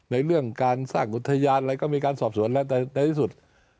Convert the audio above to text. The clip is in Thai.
ในเรื่องการสร้างอุทยานอะไรก็มีการสอบสวนแล้วแต่ในที่สุด